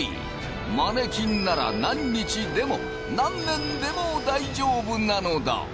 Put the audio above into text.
マネキンなら何日でも何年でも大丈夫なのだ。